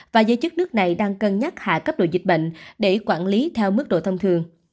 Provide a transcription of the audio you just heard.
và giới chức nước này đang cân nhắc hạ cấp độ dịch bệnh để quản lý theo mức độ thông thường